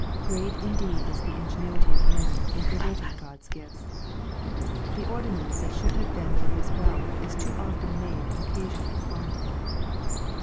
Great indeed is the ingenuity of man, in perverting God's gifts 1 The ordinance that should have been for his wealth is too often made an occasion of falling.